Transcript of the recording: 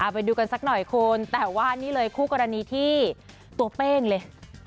ไปดูกันสักหน่อยคุณแต่ว่านี่เลยคู่กรณีที่ตัวเป้งเลย